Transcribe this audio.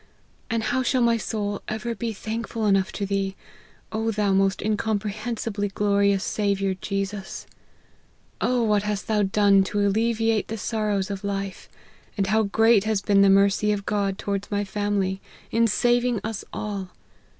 And how shall my soul ever be thankful enough to thee, O thou most incomprehensibly glorious Saviour Jesus ! O what hast thou 4 done to alleviate the sorrows of life ! and how great has been the mercy of God towards my family, in saving 1 us all